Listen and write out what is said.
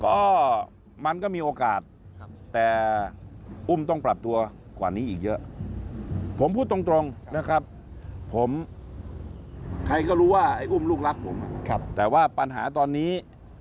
ก็มันก็มีโอกาสแต่อุ้มต้องปรับตัวกว่านี้อีกเยอะผมพูดตรงนะครับผมใครก็รู้ว่าไอ้อุ้มลูกรักผมแต่ว่าปัญหาตอนนี้